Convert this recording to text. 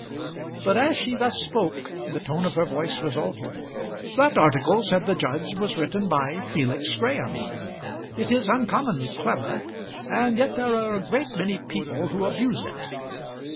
But as she thus spoke the tone of her voice was altered. "That article," said the judge, "was written by Felix Graham. It is uncommonly clever, and yet there are a great many people who abuse it."